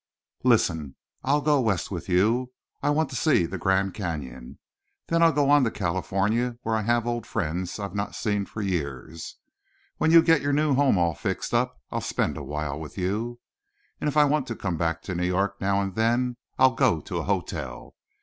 Listen. I'll go West with you. I want to see the Grand Canyon. Then I'll go on to California, where I have old friends I've not seen for years. When you get your new home all fixed up I'll spend awhile with you. And if I want to come back to New York now and then I'll go to a hotel.